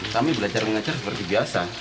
kami belajar mengajar seperti biasa